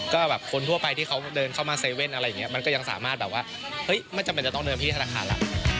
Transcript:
คนทั่วไปที่เขาเดินเข้ามาเซเว่นมันก็ยังสามารถไม่จำเป็นต้องเดินที่ธนาคาร